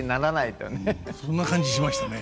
そんな感じしましたね。